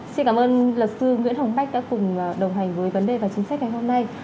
xin cảm ơn luật sư nguyễn hồng bách đã cùng đồng hành với vấn đề và chính sách ngày hôm nay